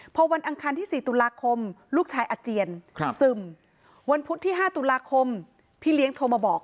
พอวันอังคารที่๔ตุลาคมลูกชายอาเจียนซึมวันพุธที่๕ตุลาคมพี่เลี้ยงโทรมาบอก